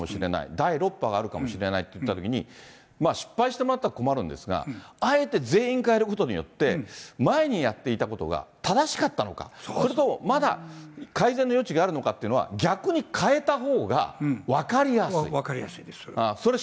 第６波があるかもしれないっていったときに、まあ、失敗してもらったら困るんですが、あえて全員代えることによって、前にやっていたことが正しかったのか、それともまだ改善の余地があるのかっていうのは、逆に代えたほう分かりやすいですよ、そりゃ。